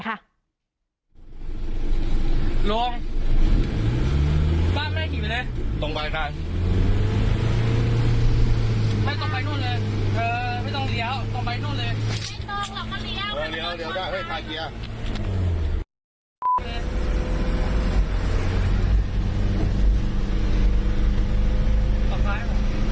ไม่ต้องหรอกมันเลี้ยวไม่ต้องเลี้ยวเออเลี้ยวเลี้ยวได้เฮ้ยถ่ายเกียร์